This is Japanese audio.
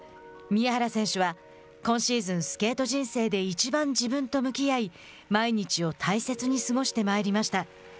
宮原選手は「今シーズン、スケート人生でいちばん自分と向き合い、毎日を大切に過ごしてまいりました。